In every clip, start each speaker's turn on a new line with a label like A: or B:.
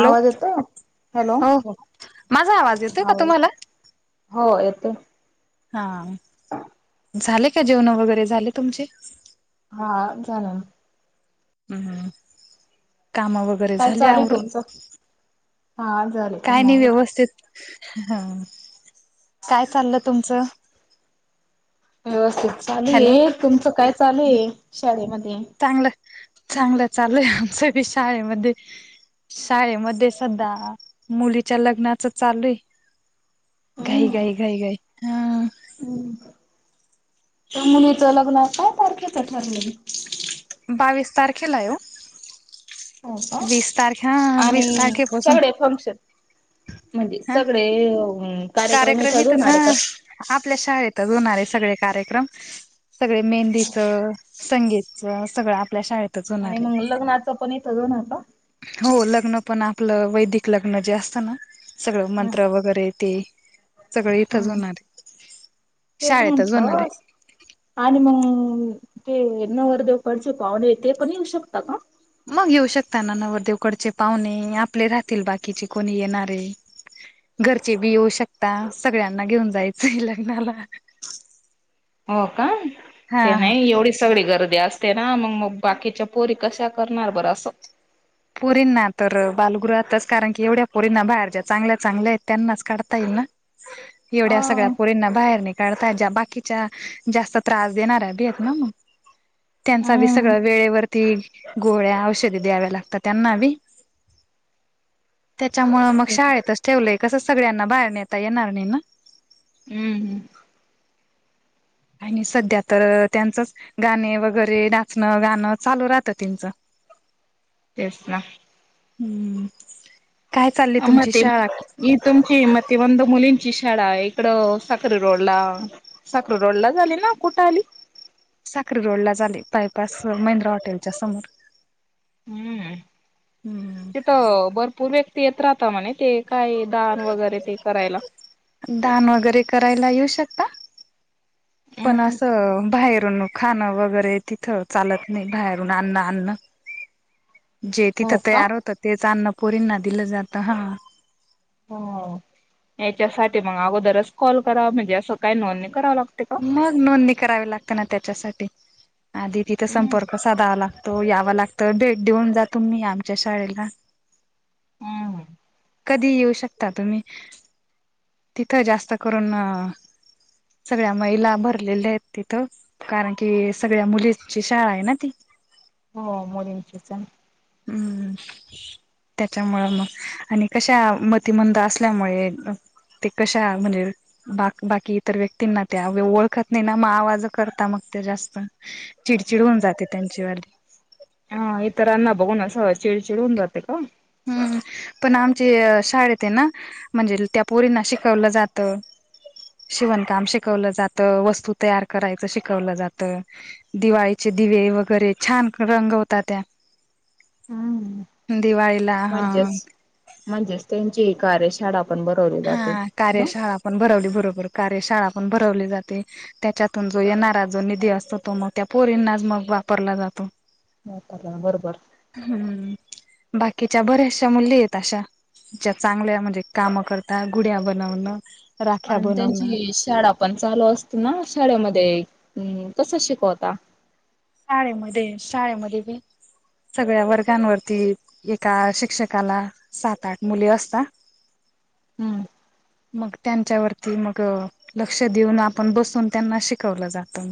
A: Hello
B: आवगेत hello.
A: हो माझा आवाज येतोय का तुम्हाला?
B: हो येतं.
A: हां. झाले का जेवण वगैरे झाले तुमचे.
B: हा झाला.
A: हम्म कामवर.
B: काय चालेूल तुमचं हा ले.
A: काय नाही व्यवस्थित ह काय चाललं तुमचं.
B: व्यवस्थित चालू
A: हॅलो
B: ये तुमचं काय चालूय शाळेमध्ये.
A: चांगलं चांगलं चालूय आमचंी शाळेमध्ये शाळेमध्ये सधा मुलीच्या लग्नाच चालू आहे घाई घाई घाई घाई हा
B: हम त्या मुलीचं लग्न काय तारखेचं ठरलं
A: बावीस तारखेला
B: हो का
A: वीस तारखे हा
B: आणि
A: वीस तारखेपासून
B: सगळे फंक्शन म्हणजे
A: हा
B: सगळे कार्यक्रम इथंच
A: इथच
B: होणार
A: हा
B: आहे त
A: आपल्या शाळेतच होणारे सगळे कार्यक्रम सगळे मेहंदीचं संगीतचं सगळं आपल्या शाळेत
B: आणि मग लग्नाचं पण इथं जऊ नता
A: हो लग्न पण आपलं वैदिक लग्न जे असत ना सगळं मंत्र वगैरे ते सगळं इथंच
B: हम
A: होणार आहे
B: तेच
A: शाळेतच होणार
B: म्हंटलं
A: आहे
B: आणि मग ते न वर्धवकडचे पाहणे ते पण येऊ शकता का
A: मग येऊ शकता ना नवरदेवकडचे पाहुणे आपले राहतील बाकीचे कोणी येणारे घरचे बी येऊ शकता सगळ्यांना घेऊन जायचंय लग्नाला
B: हो का
A: हा
B: ते
A: हा
B: नाही एवढीच सगळी गर्दी असते ना मग मग बाकीच्या पोरी कशा करणार बरं असं
A: पुरींना तर बालगृहातच कारण की एवढ्या पुरींना बाहेर ज्या चांगल्या चांगल्या आहेत त्यांनाच काढता येईल ना एवढ्या सगळ्या
B: हम्म
A: पोरींना बाहेर निघ ता ज बाकीच्या जास्त त्रास देणार आहे भीेत ना मग त्यांचा बी सगळं वेळेवरती गोळ्या औषधी द्याव्या लागतात त्यांना बी त्याच्यामु मग शाळेत अस ठेवलंय कसं सगळ्यांना बाहेर न येता येणार नाही ना
B: हम्म हम्
A: आणि सध्या तर त्यांचंच गाणे वगैरे नाचणं गाणं चालू राहतं त्यांचं
B: येस ना
A: हम्म काय चालली
B: आ म
A: तुमची
B: ते
A: शाळा
B: तुमची म त वंद मुलींची शाळा आहे इकडं साख्री रोड ला साखर रोड ला झाली ना कुठे आली
A: साकरी रोड ला झाले बायपास महिंद्रा हॉटेलच्या समोर
B: हम्म
A: हम्म
B: भरपूर व्यक्ती येत राहता म्हणे ते काय दान वगैरे ते करायला
A: दान वगैरे करायला येऊ शकता पण
B: हम्म
A: असं बाहेरून नक खाणं वगैरे तिथं चालत नाही बाहेरून अन्न अन्न जे तिथं
B: हो का
A: तयार होतं तेच अन्नपोरींना दिलं जातं हा
B: हो याच्यासाठी मग अगोदरच कॉल करा म्हणजे असं काही नोंदणी कराव लागते का?
A: मग नोंदणी करावी लागतं ना त्याच्यासाठी आधी तिथ
B: हम्म.
A: संपर्क साधावा लागतो यावं लागतं भेट देऊन जातो्ही आमच्या शाळेला
B: हम्म
A: कधी येऊ शकता तुम्ही तिथं जास्त करून सगळ्या महिला भरलेल्या आहेत तिथं कारण की सगळ्या मुलींची शाळा आहे ना ती
B: हो मोदीचस
A: हम्म त्याच्यामुं मग आणि कशा मतिमंद असल्यामुळे ते कशा म्हणजे बाकी बाकी इतर व्यक्तींना त्या ओळखत नाही ना मग आवाज करता मग ते जास्त. [inaudible]
B: हा इतरांना बघून असं चिडचिड होन जाते का
A: हम्म पण आमचे शाळेत आहे ना म्हणजे त्या पोरींना शिकवलं जातं शिवणकाम शिकवलं जातं वस्तू तयार करायचं शिकवलं जात दिवाळीचे दिवे वगैरे छान रंग होतात त्या
B: हम्म
A: दिवाळी
B: म्हणजेच म्हणजेच त्यांची ह कार्यशाळा पण बरवली जाते
A: हा कार्यशाळा पण भरवली बरोबर कार्य शाळा पण भरवली जाते त्याच्यातून जो येणारा जो निधी असतो तो मग त्या पोरींनाच मग वापरला जातो
B: मातल्याला बरोबर
A: हम्म बाकीच्या बऱ्याचशा मुली आहेत अशा ज्या चांगल्या म्हणजे कामं करतात त्या गुड्या बनवन
B: आणि त्यांची शाळा पण चालू असते ना शाळेमध्ये अ कस शिकवता
A: शाळेमध्ये शाळेमध्ये बी सगळ्या वर्गांवरती एका शिक्षकाला सात आठ मुले असतात
B: हम्म
A: [unintelligible] मग त्यांच्यावरती मग लक्ष देऊन आपण बसून त्यांना शिकवलं जातं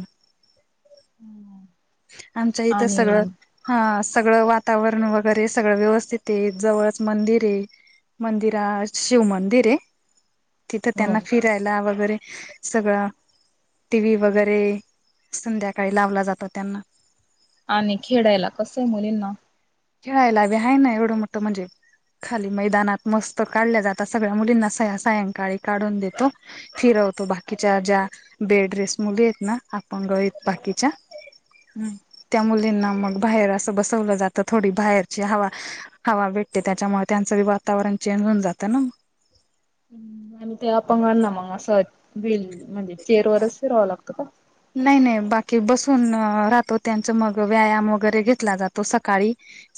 A: आमच्या इथं
B: आणि
A: सगळं हा सगळं वातावरण वगैरे सगळं व्यवस्थित आहे जवळच मंदिर आहे मंदिर शिवमंदिर आहे तिथं
B: हो
A: त्यांना फिरायला वगैरे सगळं टी व् वगैरे संध्याकाळी लावला जातो त्यांना
B: आणि खेळायला कसं आहे मुलींना
A: खेळायला ह आहेय ना एवढं मोठं म्हणजे खाली मैदानात मस्त काढल्या जातात सगळ्या मुलींना सायंकाळी काढून देतो फिरवतो बाकीच्या ज्या बेड रेस मुली आहेत ना आपण गळीत बाकीच्या
B: हम्म
A: त्या मुलींना मग बाहेर असं बसवलं जात थोडी बाहेरची हवा हवा भेटते त्याच्यामुळे त्यांचबी वातावरण चेंज होऊन जातं ना.
B: आणि ते अपंगाना मग अस व्हील म्हणजे चेअरवरच फिरावं लागतं.
A: नाही नाही बाकी बसून राहतो. त्यांचं मग व्यायाम वगैरे घेतला जातो सकाळी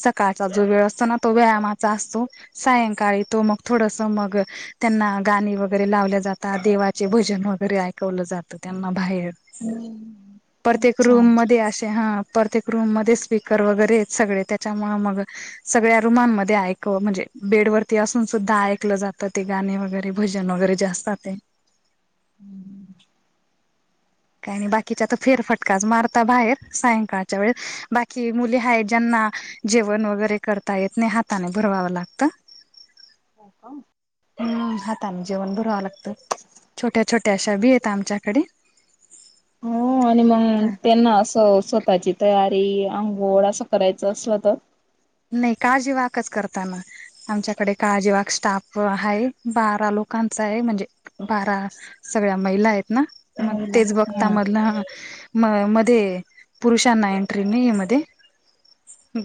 A: सकाळचा जो वेळ असतो ना तो व्यायामाचा असतो. सायंकाळी तो मग थोडस मग त्यांना गाणी वगैरे लावले जातात. देवाचे भजन वगैरे ऐकवलं जातं. त्यांना बाहेर
B: हम्म
A: प्रत्येक रूम
B: छान.
A: मध्ये असे हा प्रत्येक रूम मध्ये स्पीकर वगैरे आहेत सगळे त्याच्यामुळे मग सगळ्या रुममध्ये ऐक म्हणजे बेड वरती असून सुद्धा ऐकलं जातं ते गाणं वगैरे भजन वगैरे जे असतात ते
B: [unintelligible]
A: काही नाही बाकीच्या आता फेरफटकाच मारता बाहेर सायंकाळच्या वेळेस बाकी मुली आहेत. ज्यांना जेवण वगैरे करता येत नाही हाताने भरवाव लागत.
B: हो का
A: हम्म हातान जेवण भरवावं लागतं. छोट्या छोट्या अशा बी आहेत आमच्याकडे
B: हो आणि मग त्यांना असं स्वतःची तयारी आंघोळ असं करायचं असलं तर
A: नाही काळजीवाकच करताना आमच्याकडे काळजीवाग स्टाफ आहे. बारा लोकांचा आहे. म्हणजे बारा सगळ्या महिला आहेत ना... मग
B: हो ना.
A: तेच बघता
B: हम्म
A: मधलं म मध्ये पुरुषांना एंट्री नाही मध्ये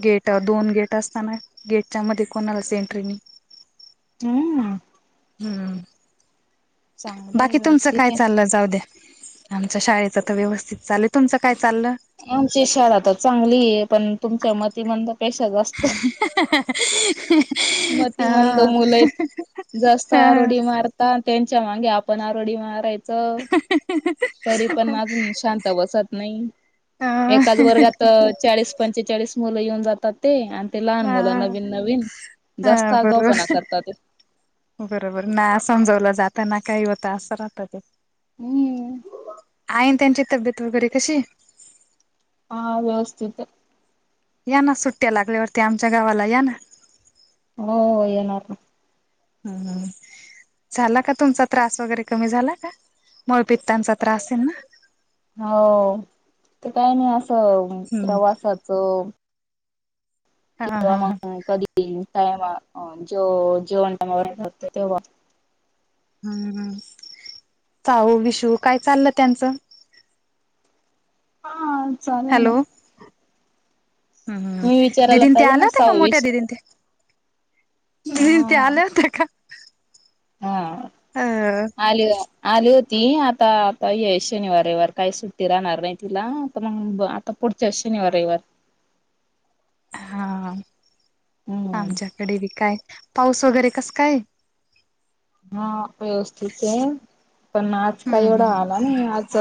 A: गेट दोन गेट असताना गेटच्या मध्ये कोणाच एंट्री नाही.
B: हम्म
A: हम्म
B: चांगलं आहे
A: बाकी तुमचं
B: व्यवस्थित
A: काय
B: आहे.
A: चाललं. जाऊ द्या. आमच्या शाळेच तर व्यवस्थित चाललं. तुमचं काय चाललं?
B: आमची शाळा तर चांगली आहे. पण तुमच्या मतिमंद पेक्षा जास्त मतिमंद
A: अ
B: मुलं आहेत. जास्त
A: अ
B: आरोडी मारता त्यांच्या मागे आपण आरोडी मारायच. तरी पण अजून शांत बसत नाही.
A: अ
B: एकाच वर्गात चाळीस पंचेचाळीस मुलं येऊन जातात. ते आणि ते लहान मुलं नवीन नवीन
A: अ
B: जास्त
A: बरोबर
B: आगाऊपणा करतात.
A: बरोबर ना... समजावलं जाताना काही होता असं राहत ते
B: हम्म
A: आई आणि त्यांची तब्येत वगैरे कशी आहे?
B: हा व्यवस्थित आहे.
A: या ना... सुट्टया लागल्यावरती आमच्या गावाला या ना.
B: हो येणार ना..
A: हम झाला का? तुमचा त्रास वगैरे कमी झाला का? मळ पित्तांचा त्रास आहे ना..
B: हो ते काय नाही असं
A: हम्म
B: प्रवासाचं
A: हा
B: किंवा
A: हा हा
B: मग कधी टाईमवर जेवण टाईम वगैरे तेव्हा
A: हम्मम्... चाहू विशू काय चाललं त्यांचं?
B: हा चालेल. ना
A: हॅलो... हम् हम्...
B: मी विचारायला
A: दिदी ते
B: पाहिजे
A: आलं
B: ना
A: होत का? मोठ्या
B: सहावीस
A: दिदी ते दिदी ते
B: हा
A: आल्या होते का?
B: हा
A: ह
B: आली आली होती. आता आता ये शनिवार रविवारी काही सुट्टी राहणार नाही तिला आता मग आता पुढच्या शनिवार रविवार
A: हा
B: हम्म
A: आमच्याकडे बी काय पाऊस वगैरे कस काय?
B: हा व्यवस्थित आहे. पण आज काय
A: हम्म
B: एवढा आला नाही. आज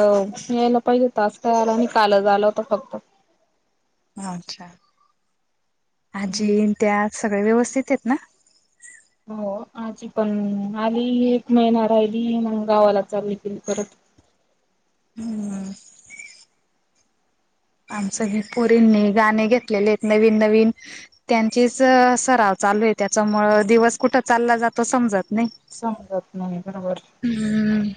B: यायला पाहिजे होता. आज काय आला नाही. कालच आला होता फक्त
A: अच्छा... आजी त्यात सगळे व्यवस्थित आहेत ना...
B: हो आजी पण आली एक महिना राहिली मग गावाला चालली ती परत.
A: हम्म! आमच हे पोरींनी गाणे घेतलेले आहेत नवीन नवीन. त्यांचीच सराव चालू आहे त्याच्यामुळ दिवस कुठं चालला जातो समजत नाही.
B: समजत नाही बरोबर.
A: हम्म!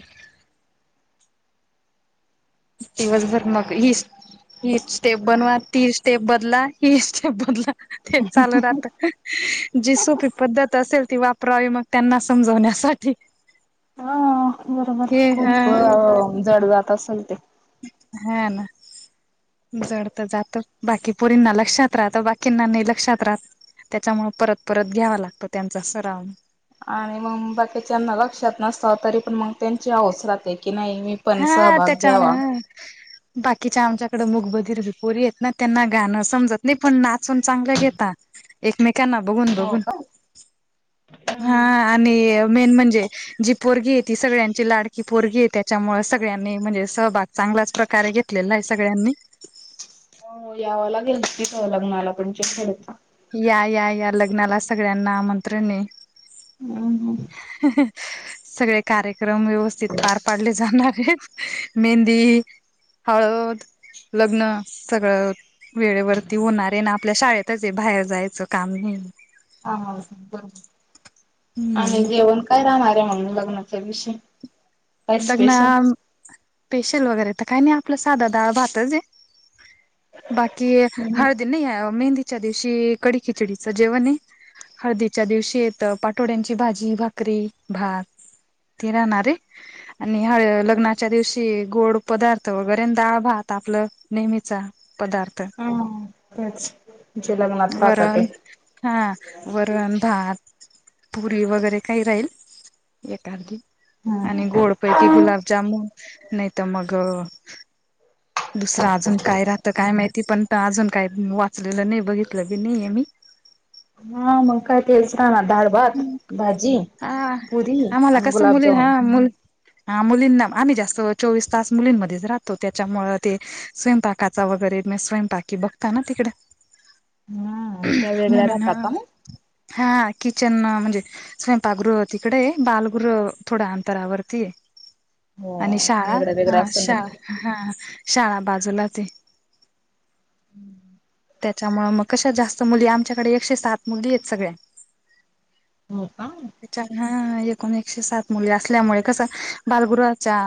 A: दिवसभर मगं ही हीच स्टेप बनवा, ती स्टेप बदला, ही स्टेप बदला. ते चाल राता जी सोपी पद्धत असेल ती वापरावी मग त्यांना समजवण्यासाठी.
B: ह बरोबर
A: हे ह
B: खूप जड जात असेल. ते
A: ह ना. जड तर जात बाकी पोरींना लक्षात राहतं बाकींना नाही लक्षात राहत. त्याच्यामुळे परत परत घ्यावा लागतं त्यांचा सराव.
B: आणि मग बाकीच्याना लक्षात नसत तरी पण मग त्यांची हाऊस राहते की नाही मी पण
A: हा
B: सहभाग घ्यावा.
A: त्याच्यामुळे ह. बाकीच्या आमच्याकडे मुकबधिर बी पोरी आहेत ना त्यांना गाणं समजत नाही, पण नाचून चांगलं घेतात. एकमेकांना बघून
B: हो
A: बघून.
B: का?
A: हा. आणि मेन म्हणजे जी पोरगीय ती सगळ्यांची लाडकी पोरगी आहे त्यात. त्याच्यामुळे सगळ्यांनी म्हणजे सहभाग चांगल्याच प्रकारे घेतलेला आहे सगळ्यांनी.
B: हो यावं लागेल [inaudible]
A: या, या, या लग्नाला सगळ्यांना आमंत्रण आहे.
B: हम ह.
A: [unintelligible] सगळे कार्यक्रम व्यवस्थित पार पाडले जाणार आहेत. मेहंदी हळद लग्न सगळं. वेळेवरती होणार आहे ना आपल्या शाळेतच आहे बाहेर जायचं काम ने.
B: ह आणि
A: हम्म
B: जेवण काय राहणार आहे मगं लग्नाच्या दिवशी. काय
A: लग्न
B: स्पेशल?
A: स्पेशल वगैरे तर काही नाही आपलं साधा डाळ भातच आहे. बाकी हळदी नाही या मेहंदीच्या दिवशी कडी -खिचडीचं जेवण आहे. हळदीच्या दिवशी येत पाठोड्यांची भाजी, भाकरी, भात ते राहणार आहे. आणि हळ लग्नाच्या दिवशी गोड पदार्थ वगैरे डाळ- भात आपलं नेहमीचा. पदार्थ.
B: हा तेच जे लग्नात राहतात ते.
A: वरण हा वरण, भात, पुरी वगैरे काही राहील. आणि गोडपैकी
B: हा
A: गुलाबजामुन नाही तर मग दुसरं अजून काय राहत काय माहिती पण अजून काय वाचलेलं नाही बघितल भी नाहीये मी. [inaudible]
B: हा मग काय तेच राहणार डाळ, भात, भाजी
A: हा
B: पुरी
A: आम्हाला
B: आणि
A: कसं मुली हा
B: गुलाबजामुन.
A: हा मुलींना आम्ही जास्त चोवीस तास मुलींमध्येच राहतो त्याच्यामुळ ते स्वयंपाकाचा वगैरे स्वयंपाकी बघता ना तिकडे.
B: हम्म त्या वेगळ्या
A: म्हणून
B: राहता का मग?
A: हा किचन म्हणजे स्वयंपागृह तिकडे बालगृह थोडं आण अंतरावरती आहे.
B: हो
A: आणि शाळा
B: वेगळं वेगळं
A: हा
B: असेल ना.
A: शा हा शाळा बाजूलाच आहे.
B: [inaudible]
A: त्याच्यामुळं मग कश्या जास्त मुली आमच्याकडे एकशे सात मुली आहेत सगळ्या.
B: हो का.
A: हा एकून एकशे सात मुली असल्यामुळे कस बालगृहाच्या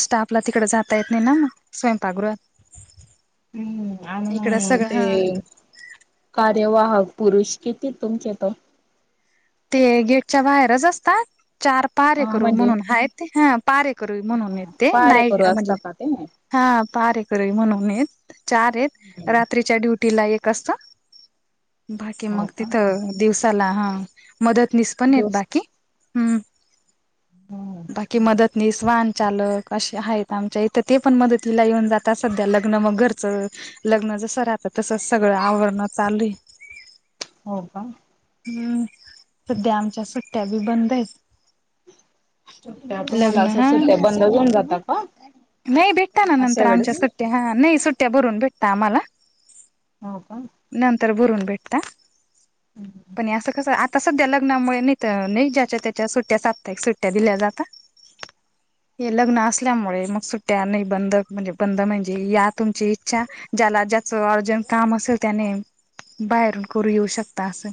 A: स्टाफला तिकडे जाता येत नाही ना स्वयंपाकगृहात.
B: हम्,,
A: इकड
B: आणि
A: सगळं हा
B: ते कार्यवाहक पुरुष किती तुमचे त?
A: ते गेटच्या बाहेरच असतात चार पाहरे
B: अ
A: करू
B: म्हणजे
A: म्हणून हायत,, हांऽ पारेकरुई म्हणून येत ते,,
B: पारे
A: नाही
B: करू
A: म्हणजे,,
B: असता का ते?
A: हा पारेकरुई म्हणून येत. चार आहेत रात्रीच्या ड्युटीला एक असत. बाकी
B: हो
A: मग
B: का?
A: तिथं दिवसाला ह, मदत निस पण येत
B: दिवस
A: बाकीऽ हम्म
B: हम्म.
A: बाकी मदतऽ निस वाहन चालक असे आहेत, आमच्या इथं ते पण मदतीला येऊन जातात, सध्या लग्न मग घरचंऽ लग्न जसं राहतं तस सगळं आवरणं चालूये.
B: हो का?
A: हम्म सध्या आमच्या सुट्ट्या बी बंद आहेत.
B: तुम्हाला
A: लग्न
B: असं
A: हा
B: सध्या बंद होऊन जातात का?
A: नाही, भेटता ना
B: अशा
A: नंतर, आमच्या
B: वेळेस?
A: सुट्टया हा नाही सुट्टया भरून भेटत आम्हाला.
B: हो का?
A: नंतर भरून भेटता, पण असं कसऽ सध्या लग्नामुळे नाही तर, नाही ज्याच्या त्याच्या सुट्टया, साप्ताहिक सुट्टया दिल्या जातात. हे लग्न असल्यामुळे मग सुट्ट्या नाही बंंद,, म्हणजे बंद म्हणजे या तुमचीऽ अच्छा, ज्याला ज्याच अर्जंट काम असेल त्याने, बाहेरून करू येऊ शकता असं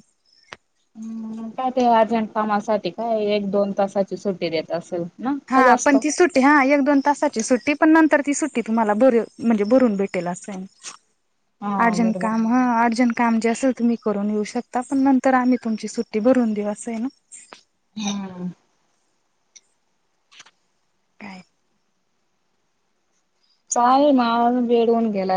B: हम्, काय ते अर्जंट कामासाठी काय एक दोन तासाची सुटी देत असल.
A: हां, पण ती सुट हा, एक दोन तासाची सुट्टी पण, नंतर ती सुट्टी तुम्हाला बर म्हणजे, भरून भेटेल अस यऽ
B: हा
A: अर्जन
B: बरोबर.
A: काम,, हा, अर्जन काम जसंऽ तुम्ही करून येऊ शकता,, पण नंतर आम्ही तुमची सुटी भरून देऊ असं आहे ना.
B: हम्म,
A: काय?
B: चालेल म आवरुन बेडवून गेलाय.